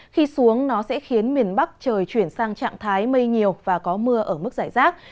khi xuống nó sẽ khiến miền bắc trời chuyển sang trạng thái mây nhiều và có mưa ở mức giải rác